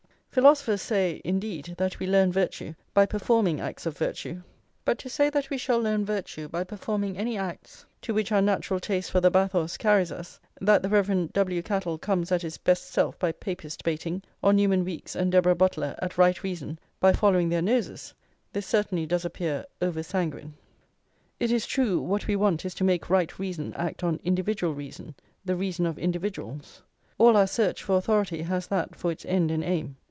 Philosophers say, indeed, that we learn virtue by performing acts of virtue; but to say that we shall learn virtue by performing any acts to which our natural taste for the bathos carries us, that the Rev. W. Cattle comes at his best self by Papist baiting, or Newman Weeks and Deborah Butler at right reason by following their noses, this certainly does appear over sanguine. It is true, what we want is to make right reason act on individual reason, the reason of individuals; all our search for authority has that for its end and aim.